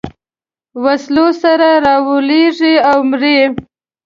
وسلو سره رالویېږي او مري.